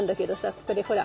ここでほら。